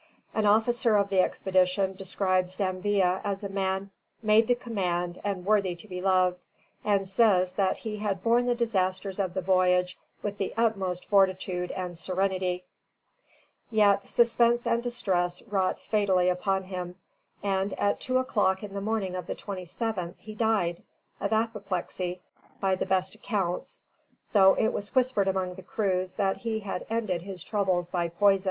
An officer of the expedition describes D'Anville as a man "made to command and worthy to be loved," and says that he had borne the disasters of the voyage with the utmost fortitude and serenity. [Footnote: Journal historique du Voyage.] Yet suspense and distress wrought fatally upon him, and at two o'clock in the morning of the 27th he died, of apoplexy, by the best accounts; though it was whispered among the crews that he had ended his troubles by poison.